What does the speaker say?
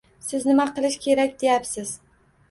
Siz nima qilish kerak deyapsiz.